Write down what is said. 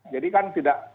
jadi kan tidak